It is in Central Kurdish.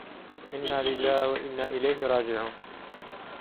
ئیننا ليللاە و ئیننا ئیلهیهی ڕاجیعوون